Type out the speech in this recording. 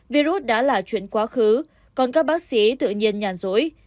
virus đã là chuyện quá khứ còn các bác sĩ tự nhiên nhàn rỗi